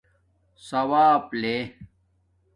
ثݸاپ لے